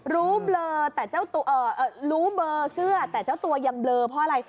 เบลอแต่รู้เบอร์เสื้อแต่เจ้าตัวยังเบลอเพราะอะไร